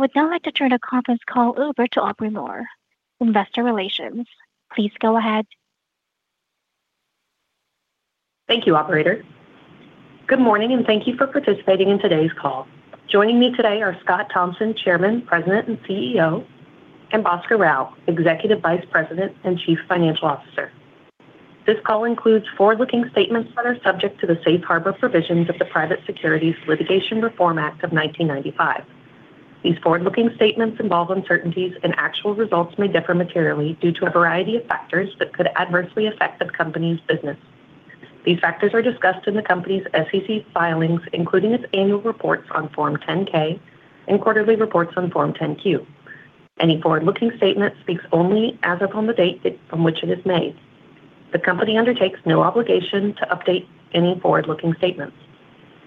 I would now like to turn the conference call over to Aubrey Moore, Investor Relations. Please go ahead. Thank you, operator. Good morning, and thank you for participating in today's call. Joining me today are Scott Thompson, Chairman, President, and CEO, and Bhaskar Rao, Executive Vice President and Chief Financial Officer. This call includes forward-looking statements that are subject to the safe harbor provisions of the Private Securities Litigation Reform Act of 1995. These forward-looking statements involve uncertainties, and actual results may differ materially due to a variety of factors that could adversely affect the company's business. These factors are discussed in the company's SEC filings, including its annual reports on Form 10-K and quarterly reports on Form 10-Q. Any forward-looking statement speaks only as upon the date it, from which it is made. The company undertakes no obligation to update any forward-looking statements.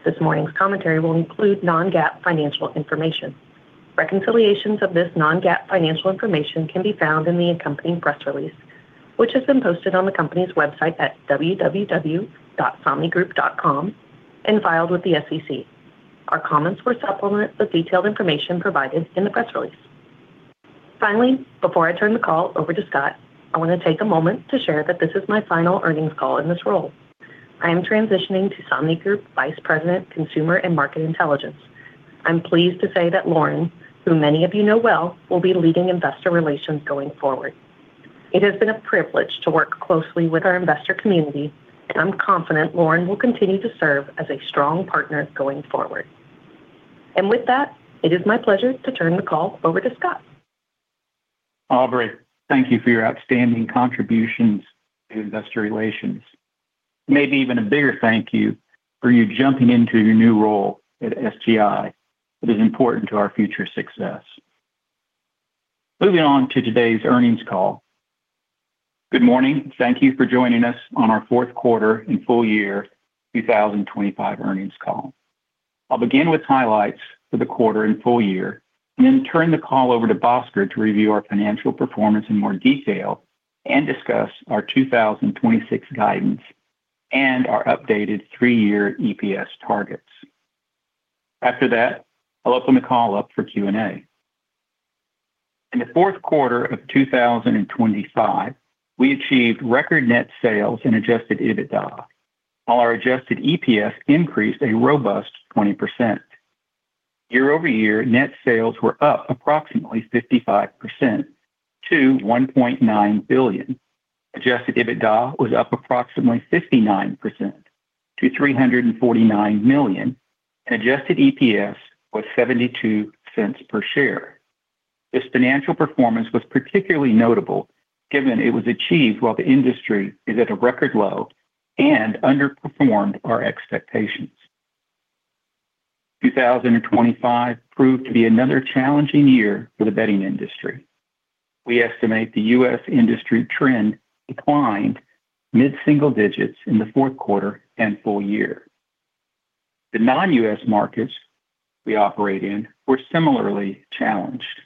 This morning's commentary will include non-GAAP financial information. Reconciliations of this non-GAAP financial information can be found in the accompanying press release, which has been posted on the company's website at www.somnigroup.com and filed with the SEC. Our comments will supplement the detailed information provided in the press release. Finally, before I turn the call over to Scott, I want to take a moment to share that this is my final earnings call in this role. I am transitioning to Somnigroup Vice President, Consumer and Market Intelligence. I'm pleased to say that Lauren, who many of you know well, will be leading investor relations going forward. It has been a privilege to work closely with our investor community, and I'm confident Lauren will continue to serve as a strong partner going forward. And with that, it is my pleasure to turn the call over to Scott. Aubrey, thank you for your outstanding contributions to investor relations. Maybe even a bigger thank you for you jumping into your new role at SGI. It is important to our future success. Moving on to today's earnings call. Good morning, thank you for joining us on our fourth quarter and full year 2025 earnings call. I'll begin with highlights for the quarter and full year, and then turn the call over to Bhaskar to review our financial performance in more detail and discuss our 2026 guidance and our updated three-year EPS targets. After that, I'll open the call up for Q&A. In the fourth quarter of 2025, we achieved record net sales and adjusted EBITDA, while our adjusted EPS increased a robust 20%. Year-over-year, net sales were up approximately 55% to $1.9 billion. Adjusted EBITDA was up approximately 59% to $349 million, and adjusted EPS was $0.72 per share. This financial performance was particularly notable, given it was achieved while the industry is at a record low and underperformed our expectations. 2025 proved to be another challenging year for the bedding industry. We estimate the U.S. industry trend declined mid-single digits in the fourth quarter and full year. The non-US markets we operate in were similarly challenged.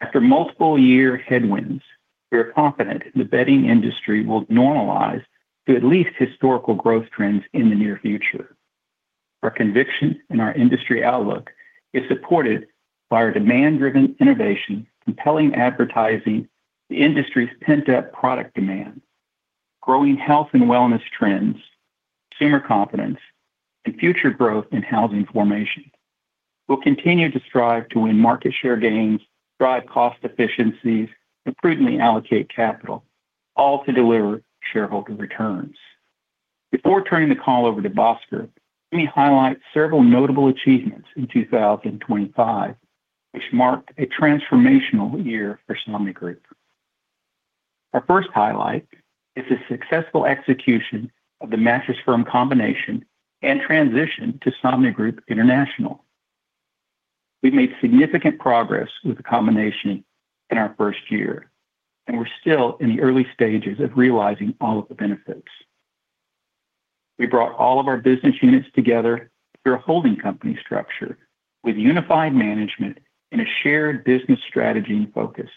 After multiple year headwinds, we are confident the bedding industry will normalize to at least historical growth trends in the near future. Our conviction and our industry outlook is supported by our demand-driven innovation, compelling advertising, the industry's pent-up product demand, growing health and wellness trends, consumer confidence, and future growth in housing formation. We'll continue to strive to win market share gains, drive cost efficiencies, and prudently allocate capital, all to deliver shareholder returns. Before turning the call over to Bhaskar, let me highlight several notable achievements in 2025, which marked a transformational year for Somnigroup. Our first highlight is the successful execution of the Mattress Firm combination and transition to Somnigroup International. We've made significant progress with the combination in our first year, and we're still in the early stages of realizing all of the benefits. We brought all of our business units together through a holding company structure with unified management and a shared business strategy and focus.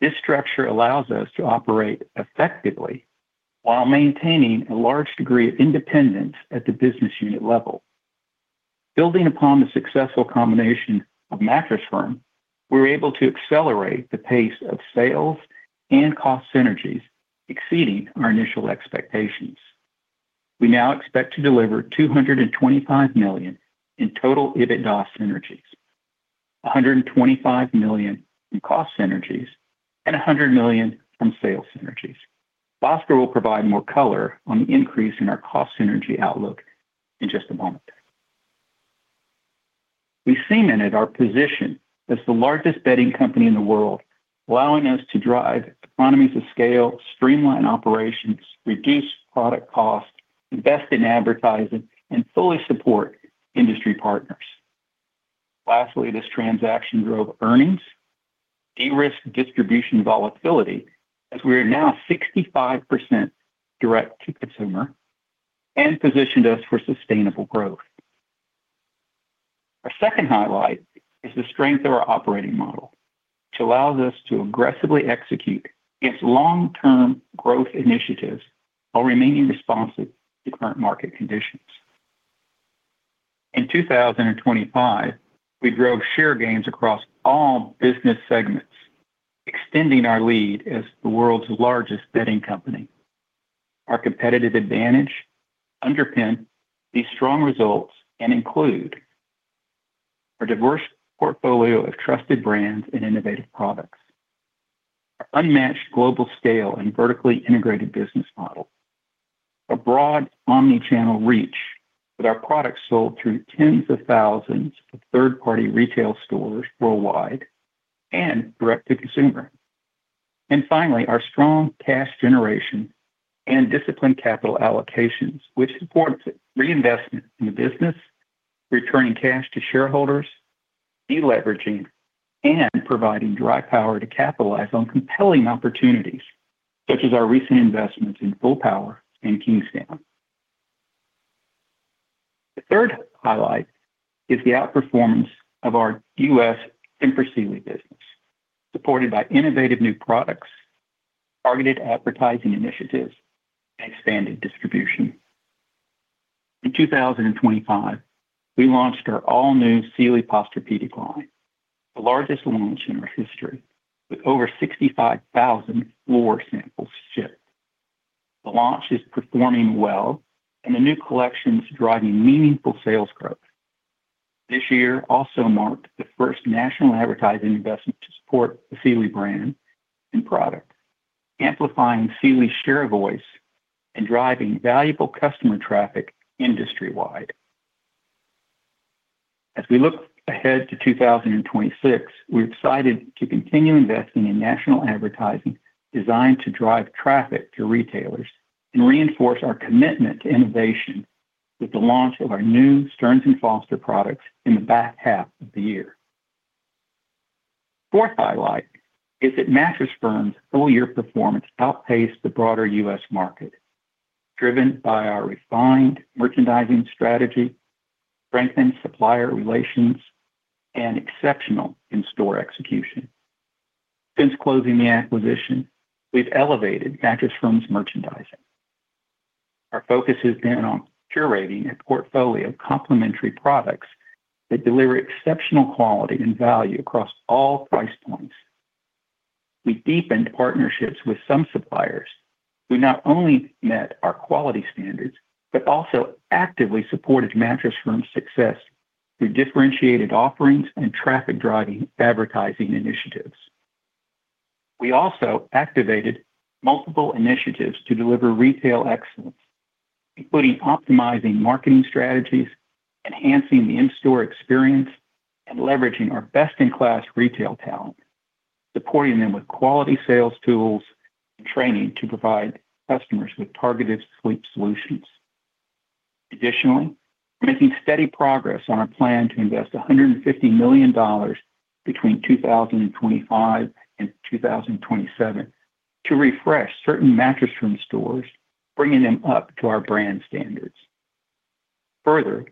This structure allows us to operate effectively while maintaining a large degree of independence at the business unit level. Building upon the successful combination of Mattress Firm, we were able to accelerate the pace of sales and cost synergies, exceeding our initial expectations. We now expect to deliver $225 million in total EBITDA synergies, $125 million in cost synergies, and $100 million from sales synergies. Bhaskar will provide more color on the increase in our cost synergy outlook in just a moment. We've cemented our position as the largest bedding company in the world, allowing us to drive economies of scale, streamline operations, reduce product cost, invest in advertising, and fully support industry partners. Lastly, this transaction drove earnings, de-risked distribution volatility, as we are now 65% direct to consumer and positioned us for sustainable growth. Our second highlight is the strength of our operating model which allows us to aggressively execute its long-term growth initiatives while remaining responsive to current market conditions. In 2025, we drove share gains across all business segments, extending our lead as the world's largest bedding company. Our competitive advantage underpin these strong results and include a diverse portfolio of trusted brands and innovative products, our unmatched global scale and vertically integrated business model, a broad omni-channel reach with our products sold through tens of thousands of third-party retail stores worldwide and direct-to-consumer. And finally, our strong cash generation and disciplined capital allocations, which supports reinvestment in the business, returning cash to shareholders, de-leveraging, and providing dry powder to capitalize on compelling opportunities, such as our recent investments in Fullpower and Kingsdown. The third highlight is the outperformance of our U.S. Tempur Sealy business, supported by innovative new products, targeted advertising initiatives, and expanded distribution. In 2025, we launched our all-new Sealy Posturepedic line, the largest launch in our history, with over 65,000 floor samples shipped. The launch is performing well, and the new collection is driving meaningful sales growth. This year also marked the first national advertising investment to support the Sealy brand and product, amplifying Sealy's share of voice and driving valuable customer traffic industry-wide. As we look ahead to 2026, we're excited to continue investing in national advertising designed to drive traffic to retailers and reinforce our commitment to innovation with the launch of our new Stearns & Foster products in the back half of the year. Fourth highlight is that Mattress Firm's full-year performance outpaced the broader U.S. market, driven by our refined merchandising strategy, strengthened supplier relations, and exceptional in-store execution. Since closing the acquisition, we've elevated Mattress Firm's merchandising. Our focus has been on curating a portfolio of complementary products that deliver exceptional quality and value across all price points. We deepened partnerships with some suppliers, who not only met our quality standards, but also actively supported Mattress Firm's success through differentiated offerings and traffic-driving advertising initiatives. We also activated multiple initiatives to deliver retail excellence, including optimizing marketing strategies, enhancing the in-store experience, and leveraging our best-in-class retail talent, supporting them with quality sales tools and training to provide customers with targeted sleep solutions. Additionally, we're making steady progress on our plan to invest $150 million between 2025 and 2027 to refresh certain Mattress Firm stores, bringing them up to our brand standards. Further,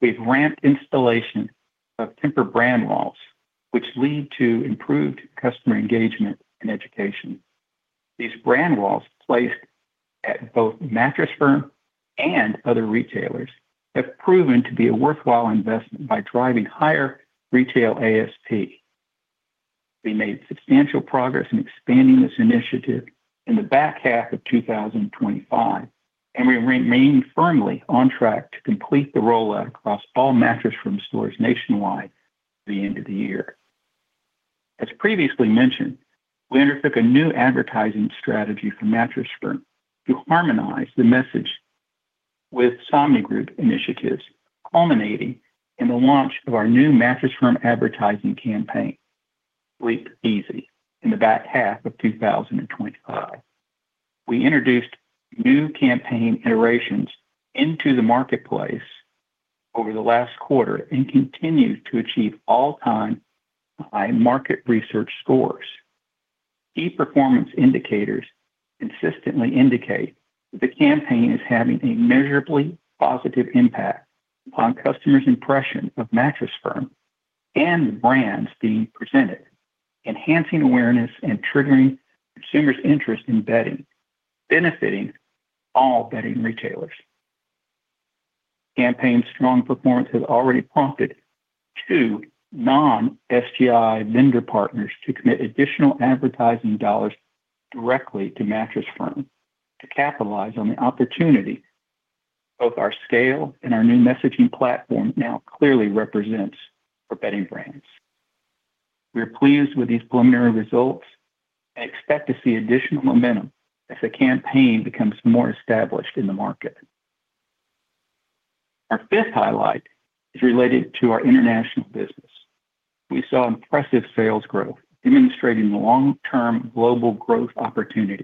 we've ramped installation of Tempur brand walls, which lead to improved customer engagement and education. These brand walls, placed at both Mattress Firm and other retailers, have proven to be a worthwhile investment by driving higher retail ASP. We made substantial progress in expanding this initiative in the back half of 2025, and we remain firmly on track to complete the rollout across all Mattress Firm stores nationwide by the end of the year. As previously mentioned, we undertook a new advertising strategy for Mattress Firm to harmonize the message with Somnigroup initiatives, culminating in the launch of our new Mattress Firm advertising campaign, Sleep Easy, in the back half of 2025. We introduced new campaign iterations into the marketplace over the last quarter and continued to achieve all-time high market research scores. Key performance indicators consistently indicate that the campaign is having a measurably positive impact upon customers' impression of Mattress Firm and the brands being presented, enhancing awareness and triggering consumers' interest in bedding, benefiting all bedding retailers. Campaign's strong performance has already prompted two non-SGI vendor partners to commit additional advertising dollars directly to Mattress Firm to capitalize on the opportunity both our scale and our new messaging platform now clearly represents for bedding brands. We are pleased with these preliminary results and expect to see additional momentum as the campaign becomes more established in the market. Our fifth highlight is related to our international business. We saw impressive sales growth, demonstrating the long-term global growth opportunity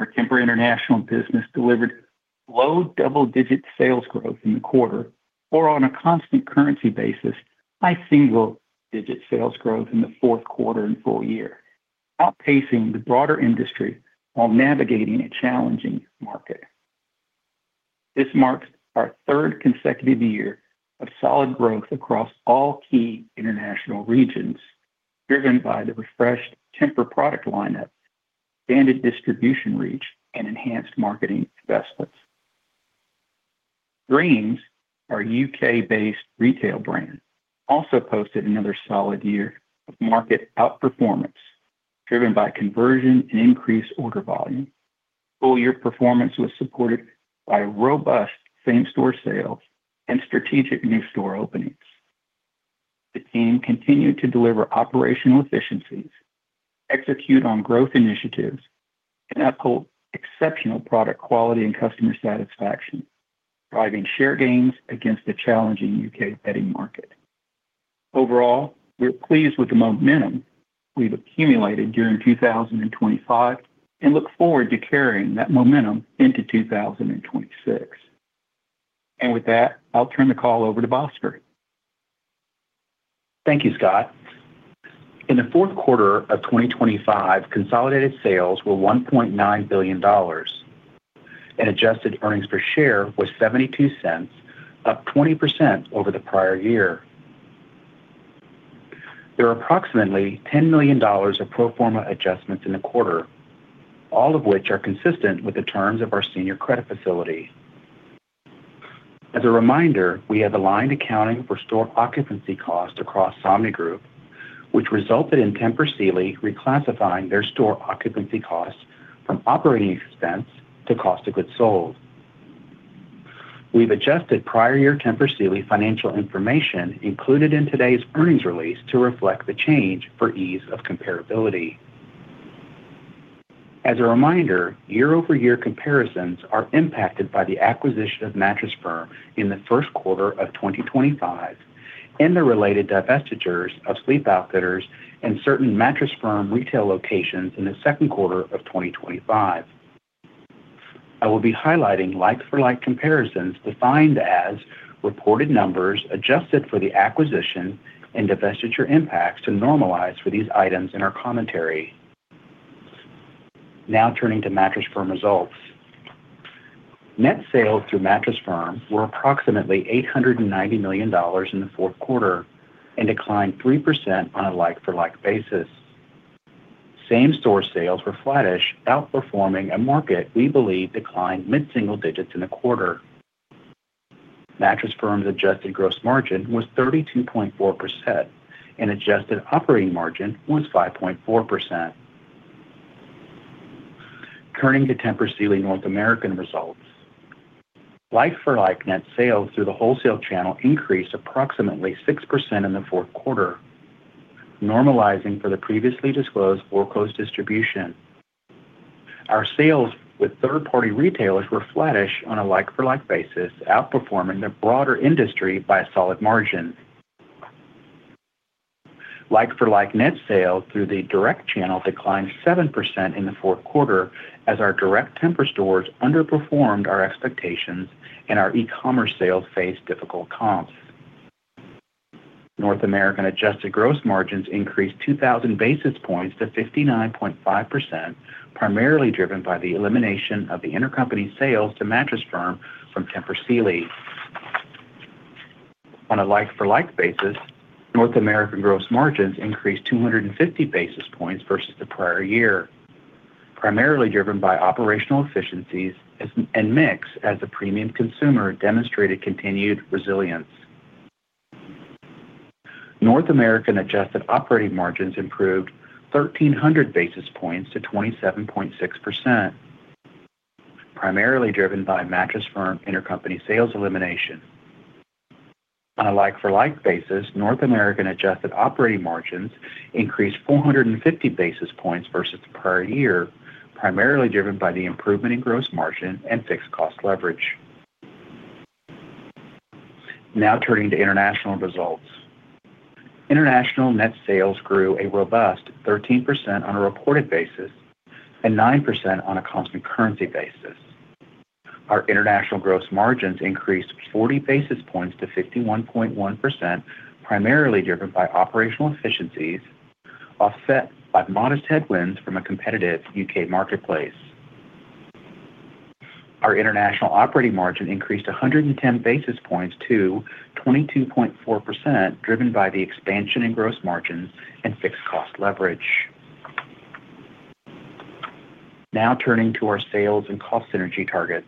ahead. Our Tempur international business delivered low double-digit sales growth in the quarter, or on a constant currency basis, high single-digit sales growth in the fourth quarter and full year, outpacing the broader industry while navigating a challenging market. This marks our third consecutive year of solid growth across all key international regions, driven by the refreshed Tempur product lineup, standard distribution reach, and enhanced marketing investments. Dreams, our U.K.-based retail brand, also posted another solid year of market outperformance, driven by conversion and increased order volume. Full year performance was supported by robust same-store sales and strategic new store openings. The team continued to deliver operational efficiencies, execute on growth initiatives, and uphold exceptional product quality and customer satisfaction, driving share gains against a challenging U.K. bedding market. Overall, we're pleased with the momentum we've accumulated during 2025 and look forward to carrying that momentum into 2026. With that, I'll turn the call over to Bhaskar. Thank you, Scott. In the fourth quarter of 2025, consolidated sales were $1.9 billion, and Adjusted earnings per share was $0.72, up 20% over the prior year. There are approximately $10 million of pro forma adjustments in the quarter, all of which are consistent with the terms of our senior credit facility. As a reminder, we have aligned accounting for store occupancy costs across Somnigroup, which resulted in Tempur Sealy reclassifying their store occupancy costs from operating expense to cost of goods sold. We've adjusted prior year Tempur Sealy financial information included in today's earnings release to reflect the change for ease of comparability. As a reminder, year-over-year comparisons are impacted by the acquisition of Mattress Firm in the first quarter of 2025 and the related divestitures of Sleep Outfitters and certain Mattress Firm retail locations in the second quarter of 2025. I will be highlighting like-for-like comparisons, defined as reported numbers, adjusted for the acquisition and divestiture impacts to normalize for these items in our commentary. Now, turning to Mattress Firm results. Net sales through Mattress Firm were approximately $890 million in the fourth quarter and declined 3% on a like-for-like basis. Same-store sales were flattish, outperforming a market we believe declined mid-single digits in the quarter. Mattress Firm's adjusted gross margin was 32.4%, and adjusted operating margin was 5.4%. Turning to Tempur Sealy North American results. Like-for-Like net sales through the wholesale channel increased approximately 6% in the fourth quarter, normalizing for the previously disclosed or closed distribution. Our sales with third-party retailers were flattish on a Like-for-Like basis, outperforming the broader industry by a solid margin. Like-for-Like net sales through the direct channel declined 7% in the fourth quarter, as our direct Tempur stores underperformed our expectations and our e-commerce sales faced difficult comps. North American adjusted gross margins increased 2,000 basis points to 59.5%, primarily driven by the elimination of the intercompany sales to Mattress Firm from Tempur Sealy. On a Like-for-Like basis, North American gross margins increased 250 basis points versus the prior year, primarily driven by operational efficiencies and mix, as the premium consumer demonstrated continued resilience. North American adjusted operating margins improved 1,300 basis points to 27.6%, primarily driven by Mattress Firm intercompany sales elimination. On a like-for-like basis, North American adjusted operating margins increased 450 basis points versus the prior year, primarily driven by the improvement in gross margin and fixed cost leverage. Now turning to international results. International net sales grew a robust 13% on a reported basis and 9% on a constant currency basis. Our international gross margins increased 40 basis points to 51.1%, primarily driven by operational efficiencies, offset by modest headwinds from a competitive U.K. marketplace. Our international operating margin increased 110 basis points to 22.4%, driven by the expansion in gross margins and fixed cost leverage. Now, turning to our sales and cost synergy targets.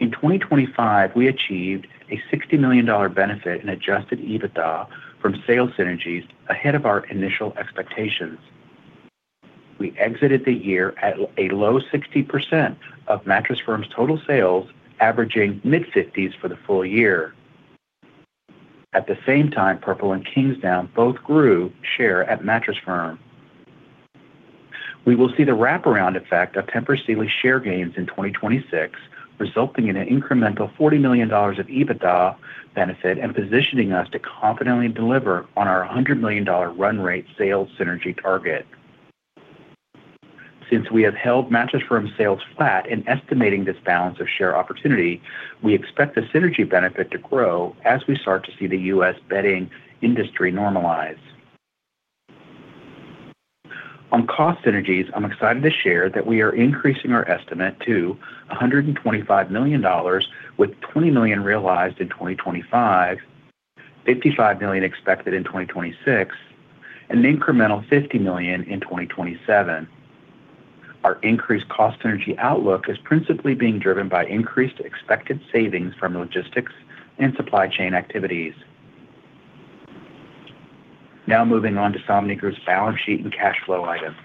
In 2025, we achieved a $60 million benefit in Adjusted EBITDA from sales synergies ahead of our initial expectations. We exited the year at a low 60% of Mattress Firm's total sales, averaging mid-50s for the full year. At the same time, Purple and Kingsdown both grew share at Mattress Firm. We will see the wraparound effect of Tempur Sealy share gains in 2026, resulting in an incremental $40 million of EBITDA benefit and positioning us to confidently deliver on our $100 million run rate sales synergy target. Since we have held Mattress Firm sales flat in estimating this balance of share opportunity, we expect the synergy benefit to grow as we start to see the U.S. bedding industry normalize. On cost synergies, I'm excited to share that we are increasing our estimate to $125 million, with $20 million realized in 2025, $55 million expected in 2026, and an incremental $50 million in 2027. Our increased cost synergy outlook is principally being driven by increased expected savings from logistics and supply chain activities. Now moving on to Somnigroup's balance sheet and cash flow items.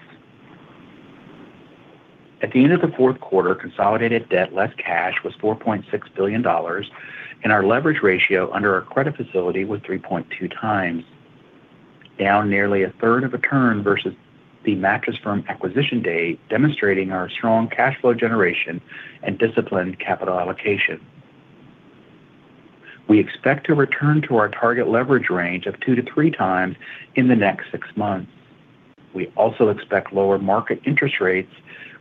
At the end of the fourth quarter, consolidated debt, less cash, was $4.6 billion, and our leverage ratio under our credit facility was 3.2x, down nearly a third of a turn versus the Mattress Firm acquisition date, demonstrating our strong cash flow generation and disciplined capital allocation. We expect to return to our target leverage range of 2x-3x in the next six months. We also expect lower market interest rates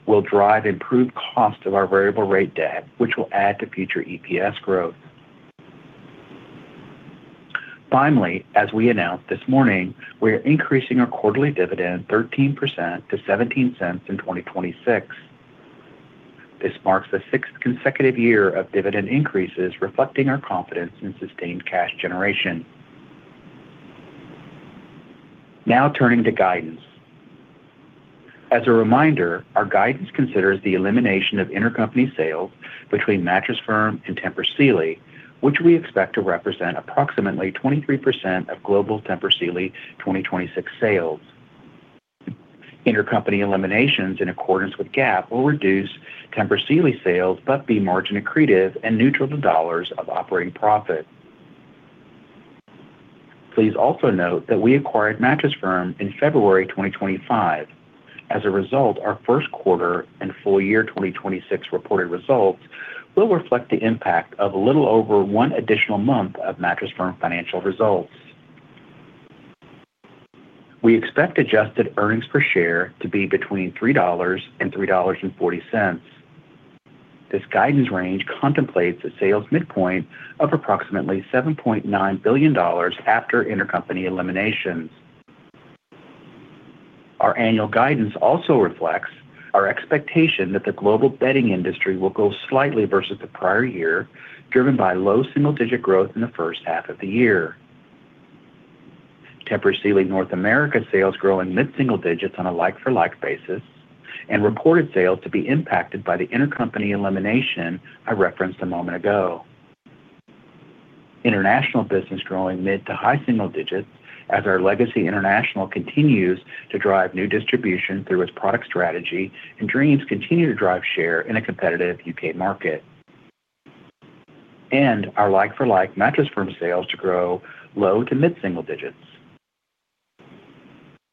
will drive improved cost of our variable rate debt, which will add to future EPS growth. Finally, as we announced this morning, we are increasing our quarterly dividend 13% to $0.17 in 2026. This marks the sixth consecutive year of dividend increases, reflecting our confidence in sustained cash generation. Now turning to guidance. As a reminder, our guidance considers the elimination of intercompany sales between Mattress Firm and Tempur Sealy, which we expect to represent approximately 23% of global Tempur Sealy 2026 sales. Intercompany eliminations, in accordance with GAAP, will reduce Tempur Sealy sales, but be margin accretive and neutral to dollars of operating profit. Please also note that we acquired Mattress Firm in February 2025. As a result, our first quarter and full year 2026 reported results will reflect the impact of a little over one additional month of Mattress Firm financial results. We expect adjusted earnings per share to be between $3 and $3.40. This guidance range contemplates a sales midpoint of approximately $7.9 billion after intercompany eliminations. Our annual guidance also reflects our expectation that the global bedding industry will grow slightly versus the prior year, driven by low single-digit growth in the first half of the year. Tempur Sealy North America sales to grow in mid-single digits on a like-for-like basis, and reported sales to be impacted by the intercompany elimination I referenced a moment ago. International business growing mid- to high-single digits, as our legacy international continues to drive new distribution through its product strategy, and Dreams continue to drive share in a competitive U.K. market. Our like-for-like Mattress Firm sales to grow low- to mid-single digits.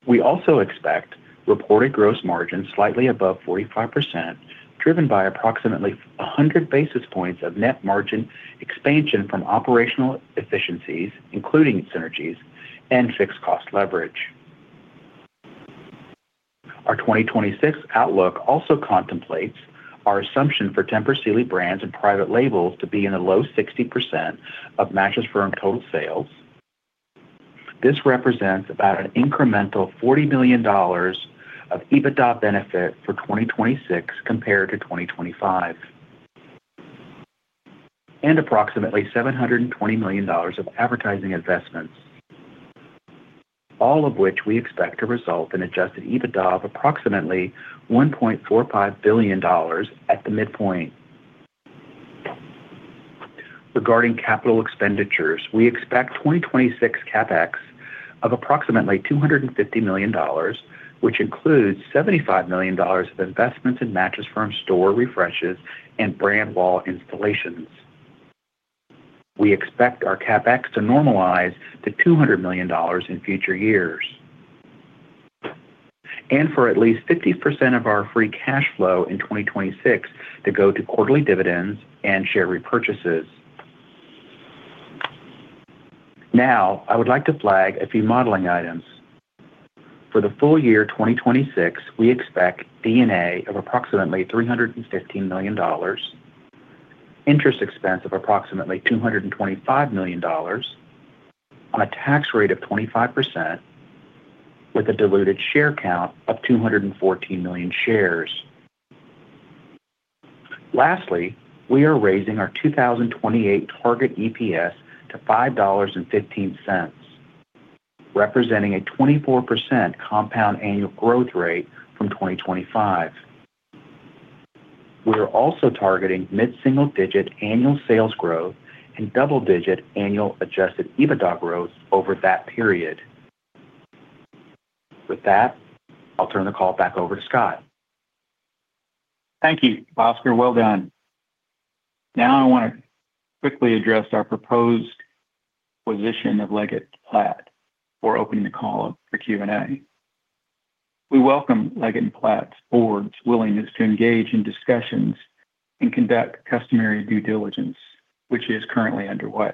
We also expect reported gross margin slightly above 45%, driven by approximately 100 basis points of net margin expansion from operational efficiencies, including synergies and fixed cost leverage. Our 2026 outlook also contemplates our assumption for Tempur Sealy brands and private labels to be in the low 60% of Mattress Firm total sales. This represents about an incremental $40 million of EBITDA benefit for 2026 compared to 2025, and approximately $720 million of advertising investments, all of which we expect to result in adjusted EBITDA of approximately $1.45 billion at the midpoint. Regarding capital expenditures, we expect 2026 CapEx of approximately $250 million, which includes $75 million of investments in Mattress Firm store refreshes and brand wall installations. We expect our CapEx to normalize to $200 million in future years, and for at least 50% of our free cash flow in 2026 to go to quarterly dividends and share repurchases. Now, I would like to flag a few modeling items. For the full year 2026, we expect D&A of approximately $315 million, interest expense of approximately $225 million on a tax rate of 25%, with a diluted share count of 214 million shares. Lastly, we are raising our 2028 target EPS to $5.15, representing a 24% compound annual growth rate from 2025. We are also targeting mid-single-digit annual sales growth and double-digit annual Adjusted EBITDA growth over that period. With that, I'll turn the call back over to Scott. Thank you. Well done. Now, I want to quickly address our proposed acquisition of Leggett & Platt before opening the call up for Q&A. We welcome Leggett & Platt's board's willingness to engage in discussions and conduct customary due diligence, which is currently underway.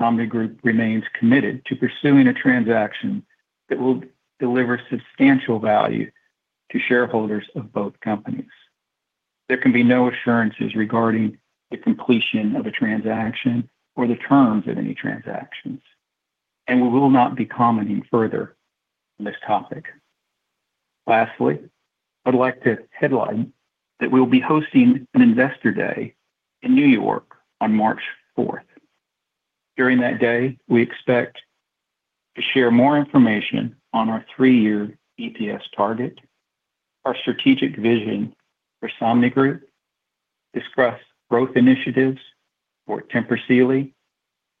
Somnigroup remains committed to pursuing a transaction that will deliver substantial value to shareholders of both companies. There can be no assurances regarding the completion of a transaction or the terms of any transactions, and we will not be commenting further on this topic. Lastly, I'd like to headline that we will be hosting an Investor Day in New York on March fourth. During that day, we expect to share more information on our three-year EPS target, our strategic vision for Somnigroup, discuss growth initiatives for Tempur Sealy,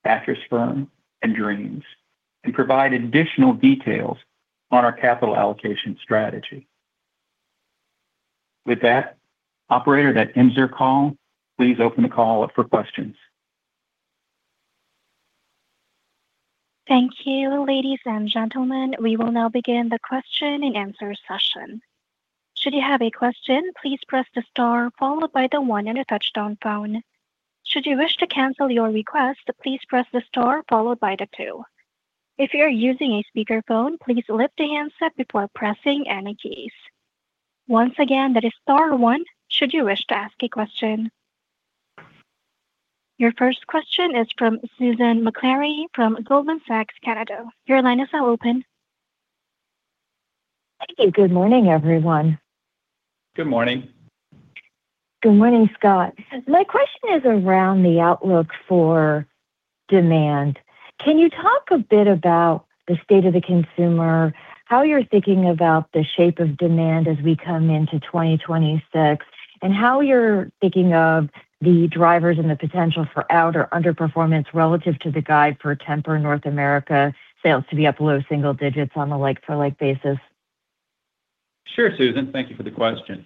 Mattress Firm, and Dreams, and provide additional details on our capital allocation strategy. With that, operator, that ends your call. Please open the call up for questions. Thank you, ladies and gentlemen. We will now begin the question-and-answer session. Should you have a question, please press the star followed by the one on your touchtone phone. Should you wish to cancel your request, please press the star followed by the two. If you're using a speakerphone, please lift the handset before pressing any keys. Once again, that is star one should you wish to ask a question. Your first question is from Susan Maklari from Goldman Sachs, Canada. Your line is now open. Thank you. Good morning, everyone. Good morning. Good morning, Scott. My question is around the outlook for demand. Can you talk a bit about the state of the consumer, how you're thinking about the shape of demand as we come into 2026, and how you're thinking of the drivers and the potential for out or underperformance relative to the guide for Tempur North America, sales to be up low single digits on a Like-for-Like basis? Sure, Susan. Thank you for the question.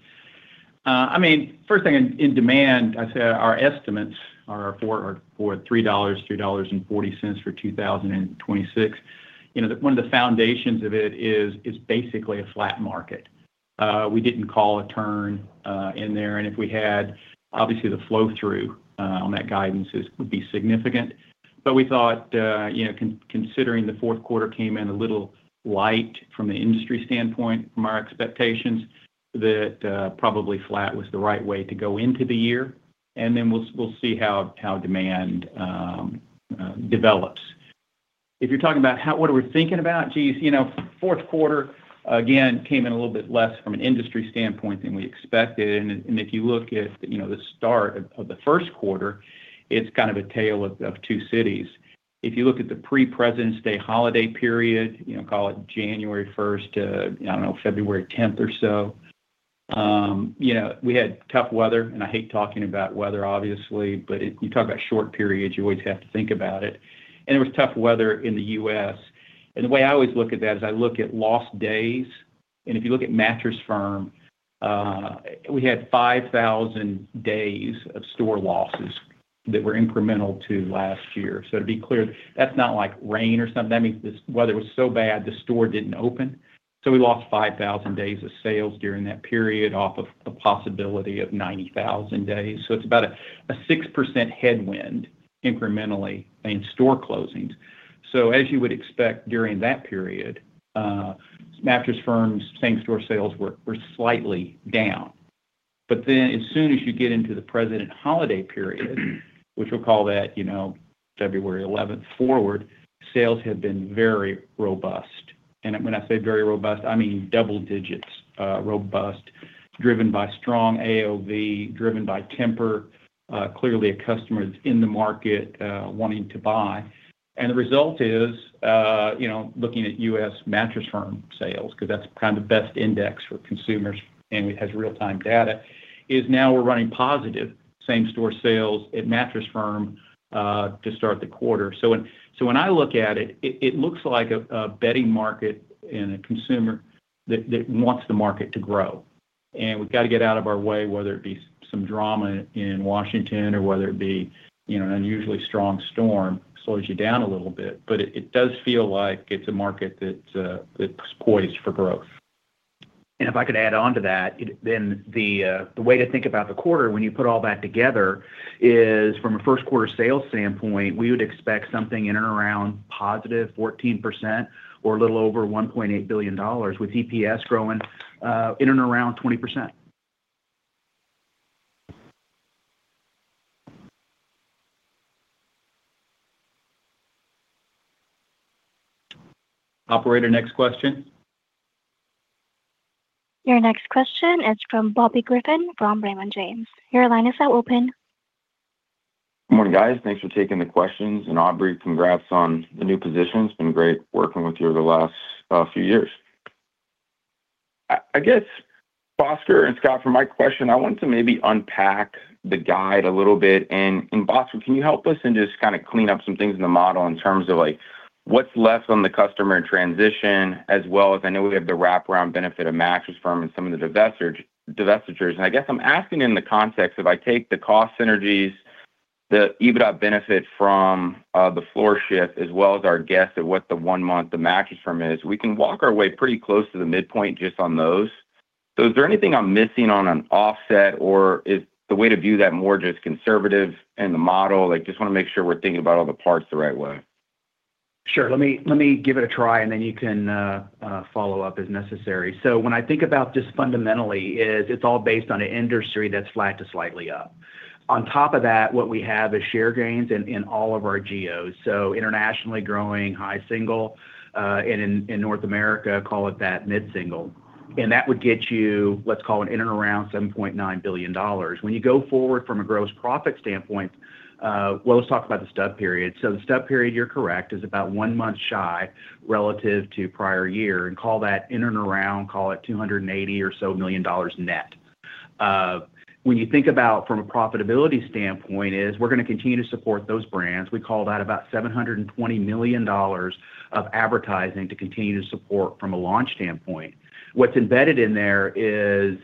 I mean, first thing in demand, I'd say our estimates are for $3, $2.40 for 2026. You know, one of the foundations of it is basically a flat market. We didn't call a turn in there, and if we had, obviously the flow-through on that guidance is would be significant. But we thought, you know, considering the fourth quarter came in a little light from an industry standpoint, from our expectations, that probably flat was the right way to go into the year, and then we'll see how demand develops. If you're talking about how what are we thinking about? Geez, you know, fourth quarter, again, came in a little bit less from an industry standpoint than we expected. If you look at, you know, the start of the first quarter, it's kind of a tale of two cities. If you look at the pre-Presidents' Day holiday period, you know, call it January first to, I don't know, February tenth or so, you know, we had tough weather, and I hate talking about weather, obviously, but if you talk about short periods, you always have to think about it. And it was tough weather in the U.S. And the way I always look at that is I look at lost days, and if you look at Mattress Firm, we had 5,000 days of store losses that were incremental to last year. So to be clear, that's not like rain or something. That means this weather was so bad, the store didn't open, so we lost 5,000 days of sales during that period off of a possibility of 90,000 days. So it's about a 6% headwind incrementally in store closings. So as you would expect during that period, Mattress Firm's same-store sales were slightly down. But then as soon as you get into the President holiday period, which we'll call that, you know, February 11 forward, sales have been very robust. And when I say very robust, I mean double digits robust, driven by strong AOV, driven by Tempur, clearly a customer that's in the market wanting to buy. And the result is, you know, looking at U.S. Mattress Firm sales, 'cause that's kind of the best index for consumers, and it has real-time data; now we're running positive same-store sales at Mattress Firm to start the quarter. So when I look at it, it looks like a bedding market and a consumer that wants the market to grow. And we've got to get out of our way, whether it be some drama in Washington or whether it be, you know, an unusually strong storm slows you down a little bit, but it does feel like it's a market that's poised for growth. And if I could add on to that, then the way to think about the quarter when you put all that together is, from a first quarter sales standpoint, we would expect something in and around positive 14% or a little over $1.8 billion, with EPS growing in and around 20%. Operator, next question. Your next question is from Bobby Griffin from Raymond James. Your line is now open. Good morning, guys. Thanks for taking the questions, and Aubrey, congrats on the new position. It's been great working with you over the last few years. I guess, Bhaskar and Scott, for my question, I want to maybe unpack the guide a little bit. And Bhaskar, can you help us and just clean up some things in the model in terms of, like, what's left on the customer transition, as well as I know we have the wraparound benefit of Mattress Firm and some of the divestiture, divestitures. I guess I'm asking in the context, if I take the cost synergies, the EBITDA benefit from the floor shift, as well as our guess at what the one month of Mattress Firm is, we can walk our way pretty close to the midpoint just on those. So is there anything I'm missing on an offset, or is the way to view that more just conservative in the model? I just want to make sure we're thinking about all the parts the right way. Sure. Let me, let me give it a try, and then you can follow up as necessary. So when I think about this fundamentally is it's all based on an industry that's flat to slightly up. On top of that, what we have is share gains in all of our geos. So internationally growing high single, and in North America, call it that mid-single. And that would get you, let's call it in and around $7.9 billion. When you go forward from a gross profit standpoint, well, let's talk about the stub period. So the stub period, you're correct, is about one month shy relative to prior year, and call that in and around, call it $280 million or so net. When you think about from a profitability standpoint, is we're gonna continue to support those brands. We call that about $720 million of advertising to continue to support from a launch standpoint. What's embedded in there is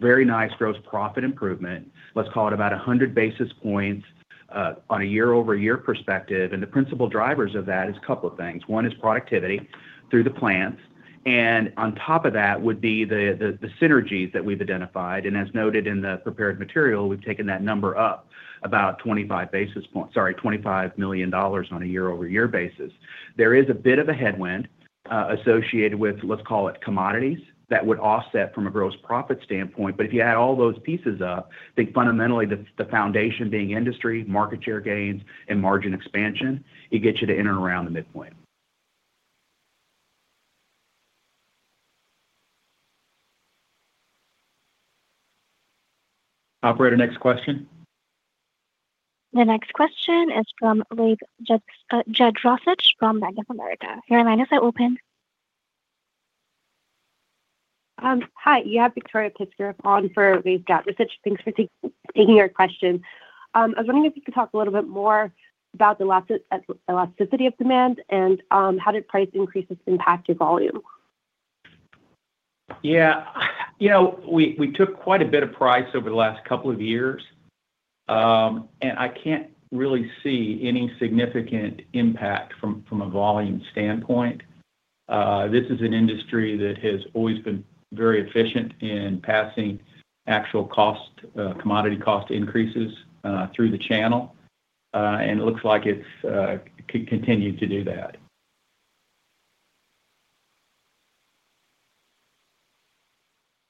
very nice gross profit improvement. Let's call it about 100 basis points on a year-over-year perspective, and the principal drivers of that is a couple of things. One is productivity through the plants, and on top of that would be the synergies that we've identified. And as noted in the prepared material, we've taken that number up about 25 basis points, sorry, $25 million on a year-over-year basis. There is a bit of a headwind associated with, let's call it, commodities, that would offset from a gross profit standpoint. If you add all those pieces up, I think fundamentally, the foundation being industry, market share gains, and margin expansion, it gets you to in and around the midpoint. Operator, next question? The next question is from Rafe Jadrosich from Bank of America. Your line is now open. Hi, you have Victoria Piskarev on for Rafe Jadrosich. Thanks for taking our question. I was wondering if you could talk a little bit more about the elasticity of demand and how did price increases impact your volume? Yeah. You know, we took quite a bit of price over the last couple of years, and I can't really see any significant impact from a volume standpoint. This is an industry that has always been very efficient in passing actual cost commodity cost increases through the channel, and it looks like it could continue to do that.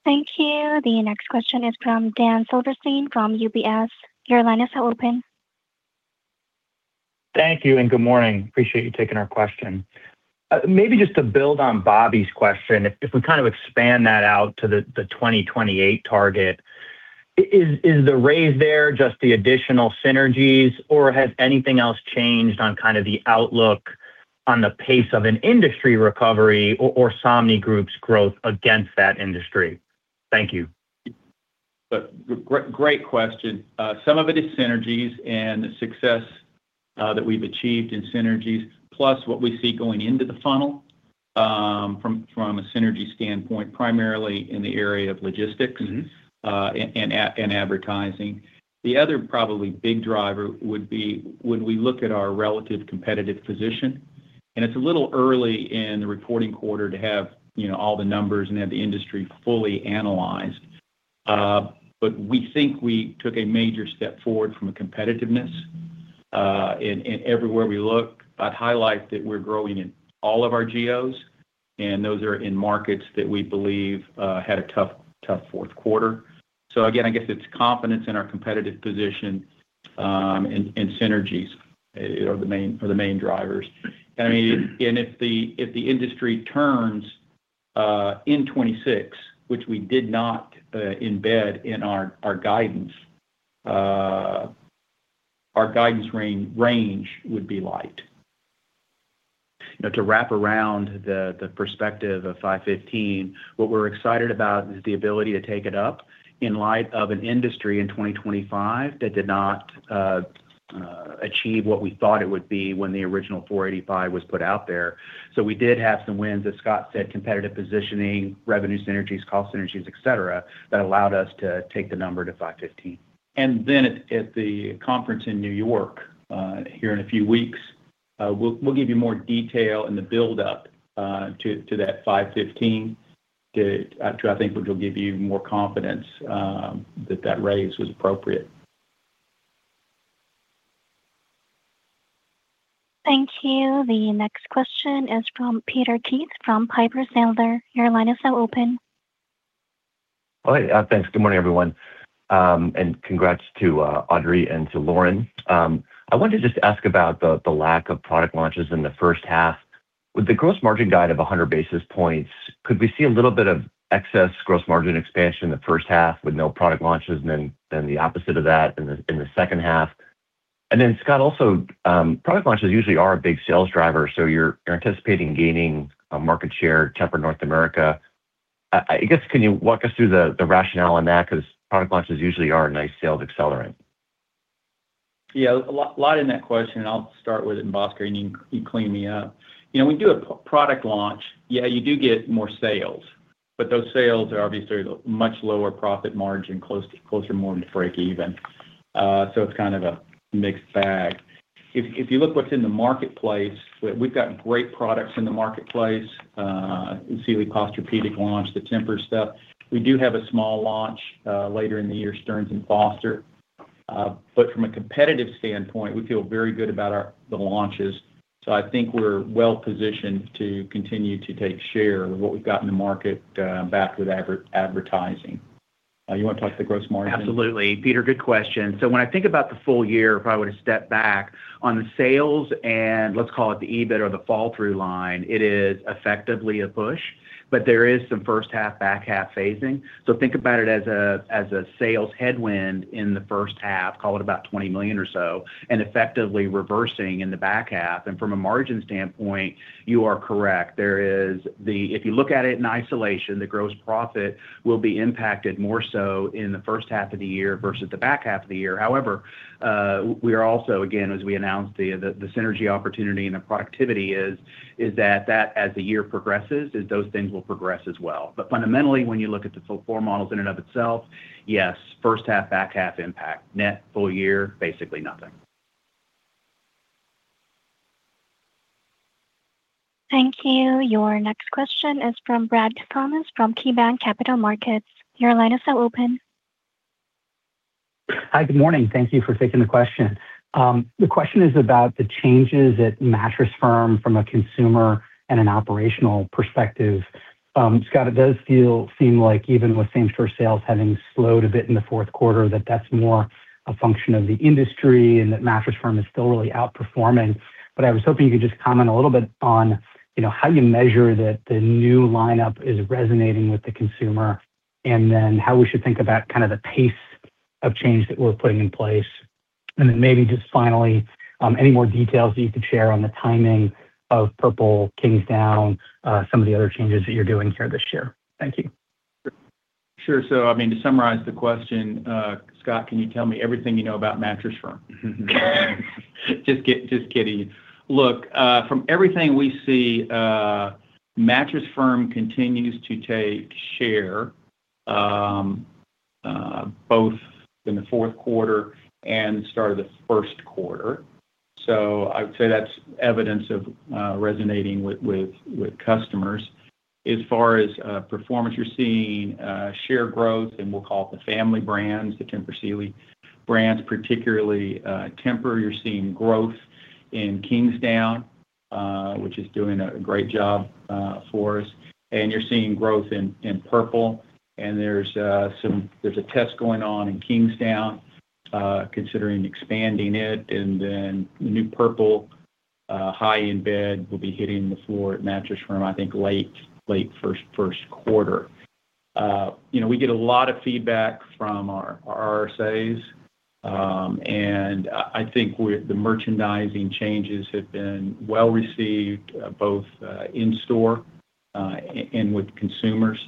Thank you. The next question is from Dan Silberstein from UBS. Your line is now open. Thank you, and good morning. Appreciate you taking our question. Maybe just to build on Bobby's question, if we kind of expand that out to the 2028 target, is the raise there just the additional synergies, or has anything else changed on kind of the outlook on the pace of an industry recovery or Somnigroup's growth against that industry? Thank you. Great question. Some of it is synergies and success that we've achieved in synergies, plus what we see going into the funnel, from a synergy standpoint, primarily in the area of logistics. Mm-hmm And advertising. The other probably big driver would be when we look at our relative competitive position, and it's a little early in the reporting quarter to have, you know, all the numbers and have the industry fully analyzed. But we think we took a major step forward from a competitiveness and everywhere we look. I'd highlight that we're growing in all of our geos, and those are in markets that we believe had a tough, tough fourth quarter. So again, I guess it's confidence in our competitive position and synergies are the main drivers. And I mean, if the industry turns in 2026, which we did not embed in our guidance, our guidance range would be light. You know, to wrap around the perspective of $515, what we're excited about is the ability to take it up in light of an industry in 2025 that did not achieve what we thought it would be when the original $485 was put out there. So we did have some wins, as Scott said, competitive positioning, revenue synergies, cost synergies, et cetera, that allowed us to take the number to $515. Then at the conference in New York here in a few weeks, we'll give you more detail in the buildup to that $5.15, I think, which will give you more confidence that raise was appropriate. Thank you. The next question is from Peter Keith, from Piper Sandler. Your line is now open. Hi, thanks. Good morning, everyone, and congrats to Aubrey and to Lauren. I wanted to just ask about the lack of product launches in the first half. With the gross margin guide of 100 basis points, could we see a little bit of excess gross margin expansion in the first half with no product launches, and then the opposite of that in the second half? And then, Scott, also, product launches usually are a big sales driver, so you're anticipating gaining market share, Tempur North America. I guess, can you walk us through the rationale on that? Because product launches usually are a nice sales accelerant. Yeah, a lot in that question, and I'll start with it, and Bhaskar, and you, you can clean me up. You know, when we do a product launch, yeah, you do get more sales, but those sales are obviously much lower profit margin, closer more to break even. So it's kind of a mixed bag. If you look what's in the marketplace, we've got great products in the marketplace. You see we Posturepedic launch, the Tempur stuff. We do have a small launch later in the year, Stearns & Foster, but from a competitive standpoint, we feel very good about our, the launches. So I think we're well positioned to continue to take share of what we've got in the market, back with advertising. You wanna talk to the gross margin? Absolutely. Peter, good question. So when I think about the full year, if I were to step back on the sales and let's call it the EBIT or the fall-through line, it is effectively a push, but there is some first half, back half phasing. So think about it as a sales headwind in the first half, call it about $20 million or so, and effectively reversing in the back half. From a margin standpoint, you are correct. There is. If you look at it in isolation, the gross profit will be impacted more so in the first half of the year versus the back half of the year. However, we are also, again, as we announced, the synergy opportunity and the productivity is that as the year progresses, those things will progress as well. But fundamentally, when you look at the full floor models in and of itself, yes, first half, back half impact. Net full year, basically nothing. Thank you. Your next question is from Brad Thomas, from KeyBanc Capital Markets. Your line is now open. Hi, good morning. Thank you for taking the question. The question is about the changes at Mattress Firm from a consumer and an operational perspective. Scott, it does feel, seem like even with same store sales having slowed a bit in the fourth quarter, that that's more a function of the industry and that Mattress Firm is still really outperforming. But I was hoping you could just comment a little bit on, you know, how you measure that the new lineup is resonating with the consumer, and then how we should think about kind of the pace of change that we're putting in place. And then maybe just finally, any more details you could share on the timing of Purple, Kingsdown, some of the other changes that you're doing here this year. Thank you. Sure. So I mean, to summarize the question, Scott, can you tell me everything you know about Mattress Firm? Just kidding. Look, from everything we see, Mattress Firm continues to take share, both in the fourth quarter and start of the first quarter. So I would say that's evidence of resonating with customers. As far as performance, you're seeing share growth, and we'll call it the family brands, the Tempur Sealy brands, particularly Tempur, you're seeing growth in Kingsdown, which is doing a great job for us, and you're seeing growth in Purple, and there's a test going on in Kingsdown, considering expanding it, and then the new Purple high-end bed will be hitting the floor at Mattress Firm, I think late first quarter. You know, we get a lot of feedback from our RSAs, and I think the merchandising changes have been well received, both in store and with consumers.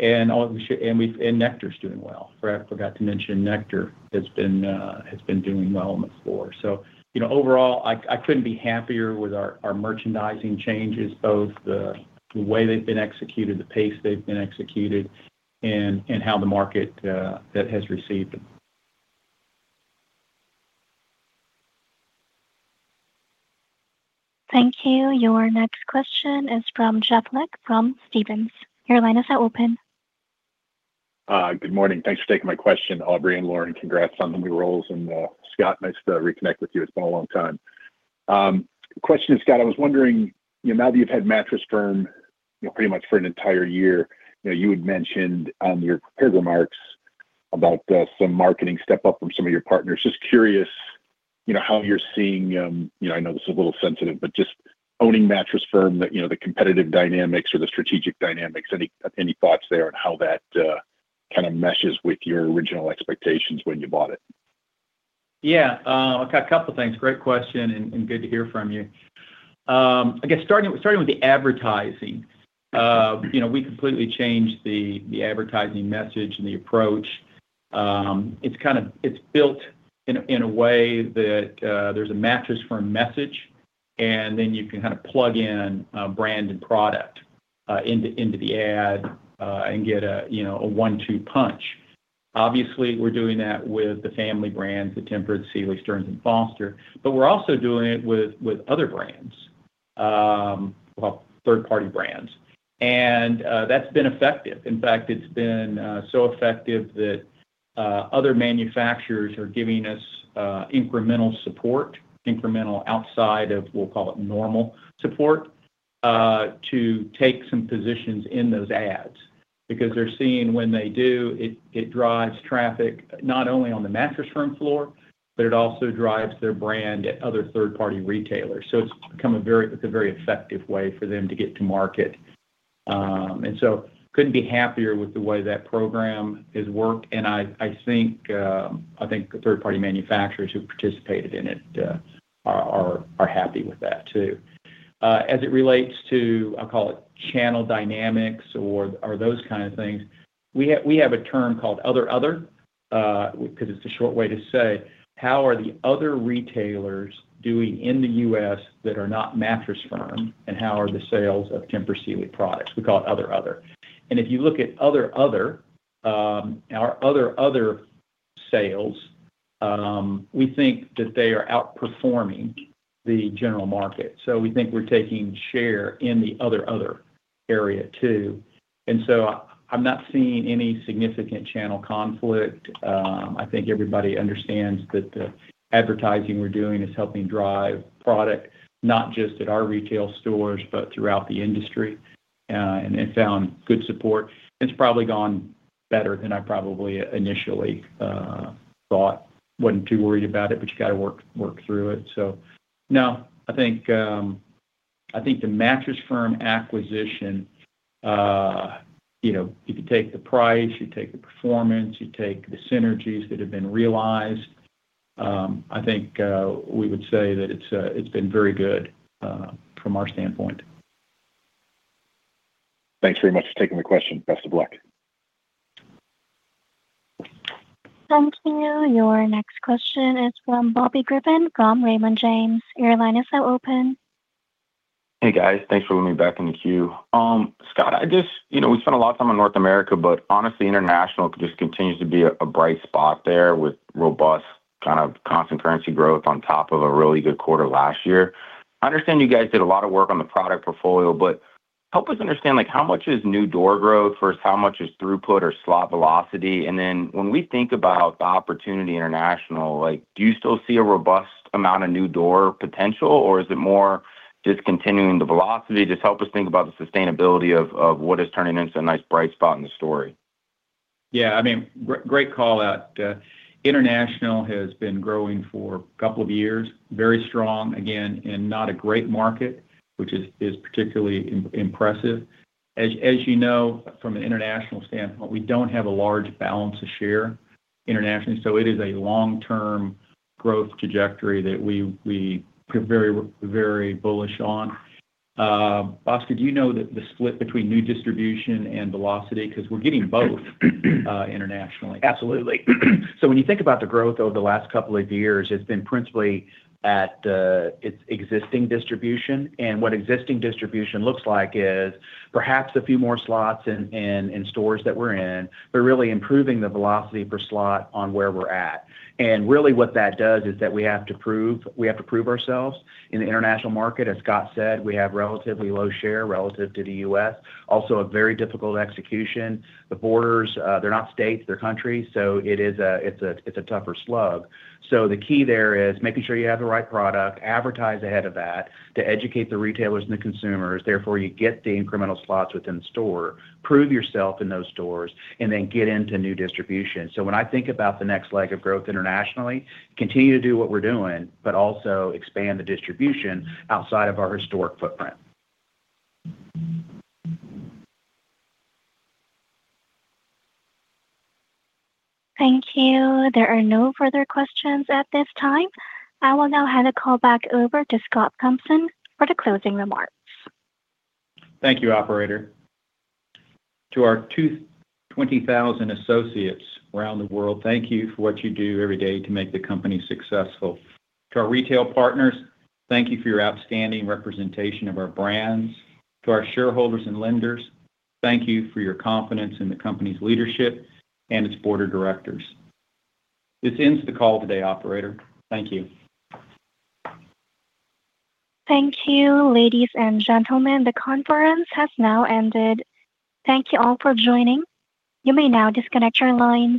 And Nectar is doing well. I forgot to mention Nectar has been doing well on the floor. So you know, overall, I couldn't be happier with our merchandising changes, both the way they've been executed, the pace they've been executed, and how the market has received them. Thank you. Your next question is from Jeff Lick from Stephens. Your line is now open. Good morning. Thanks for taking my question. Aubrey and Lauren, congrats on the new roles, and, Scott, nice to reconnect with you. It's been a long time. Question, Scott, I was wondering, you know, now that you've had Mattress Firm, you know, pretty much for an entire year, you know, you had mentioned on your prepared remarks about, some marketing step up from some of your partners. Just curious, you know, how you're seeing, you know, I know this is a little sensitive, but just owning Mattress Firm, you know, the competitive dynamics or the strategic dynamics, any thoughts there on how that, kind of meshes with your original expectations when you bought it? Yeah, a couple of things. Great question, and good to hear from you. I guess starting with the advertising, you know, we completely changed the advertising message and the approach. It's kind of built in a way that there's a Mattress Firm message, and then you can kind of plug in a brand and product into the ad and get a, you know, a one-two punch. Obviously, we're doing that with the family brands, the Tempur, Sealy, Stearns & Foster, but we're also doing it with other brands, well, third-party brands. That's been effective. In fact, it's been so effective that other manufacturers are giving us incremental support, incremental outside of, we'll call it normal support, to take some positions in those ads. Because they're seeing when they do it drives traffic not only on the Mattress Firm floor, but it also drives their brand at other third-party retailers. So it's become a very, it's a very effective way for them to get to market. And so couldn't be happier with the way that program has worked, and I think the third-party manufacturers who participated in it are happy with that, too. As it relates to, I'll call it channel dynamics or those kind of things, we have a term called Other, Other, 'cause it's a short way to say how are the other retailers doing in the U.S. that are not Mattress Firm, and how are the sales of Tempur Sealy products? We call it Other, Other. And if you look at other sales, we think that they are outperforming the general market. So we think we're taking share in the other area, too. And so I'm not seeing any significant channel conflict. I think everybody understands that the advertising we're doing is helping drive product, not just at our retail stores, but throughout the industry, and it found good support. It's probably gone better than I probably initially thought. Wasn't too worried about it, but you gotta work, work through it. So no, I think, I think the Mattress Firm acquisition, you know, if you take the price, you take the performance, you take the synergies that have been realized, I think, we would say that it's, it's been very good, from our standpoint. Thanks very much for taking the question. Best of luck. Thank you. Your next question is from Bobby Griffin from Raymond James. Your line is now open. Hey, guys. Thanks for letting me back in the queue. Scott, I just... You know, we spent a lot of time on North America, but honestly, international just continues to be a bright spot there with robust kind of constant currency growth on top of a really good quarter last year. I understand you guys did a lot of work on the product portfolio, but help us understand, like, how much is new door growth versus how much is throughput or slot velocity? And then when we think about the opportunity international, like, do you still see a robust amount of new door potential, or is it more just continuing the velocity? Just help us think about the sustainability of what is turning into a nice bright spot in the story. Yeah, I mean, great call out. International has been growing for a couple of years, very strong, again, in not a great market, which is particularly impressive. As you know, from an international standpoint, we don't have a large balance of share internationally, so it is a long-term growth trajectory that we are very, very bullish on. Bhaskar, do you know the split between new distribution and velocity? Because we're getting both internationally. Absolutely. So when you think about the growth over the last couple of years, it's been principally at its existing distribution. And what existing distribution looks like is perhaps a few more slots in stores that we're in, but really improving the velocity per slot on where we're at. And really, what that does is that we have to prove ourselves in the international market. As Scott said, we have relatively low share relative to the U.S. Also, a very difficult execution. The borders, they're not states, they're countries, so it is a tougher slug. So the key there is making sure you have the right product, advertise ahead of that to educate the retailers and the consumers, therefore, you get the incremental slots within the store, prove yourself in those stores, and then get into new distribution. When I think about the next leg of growth internationally, continue to do what we're doing, but also expand the distribution outside of our historic footprint. Thank you. There are no further questions at this time. I will now hand the call back over to Scott Thompson for the closing remarks. Thank you, operator. To our 20,000 associates around the world, thank you for what you do every day to make the company successful. To our retail partners, thank you for your outstanding representation of our brands. To our shareholders and lenders, thank you for your confidence in the company's leadership and its board of directors. This ends the call today, operator. Thank you. Thank you, ladies and gentlemen, the conference has now ended. Thank you all for joining. You may now disconnect your line.